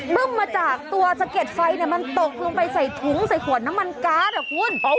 บึ้มจากตัวเสร็จไฟเนี่ยมันปกไปใส่ถุงกานอะคุณ